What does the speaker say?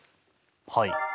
はい。